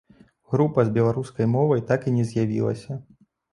Група з беларускай мовай так і не з'явілася.